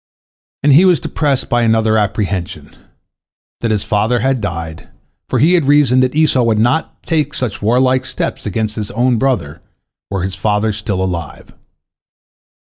And he was depressed by another apprehension, that his father had died, for he reasoned that Esau would not take such warlike steps against his own brother, were his father still alive.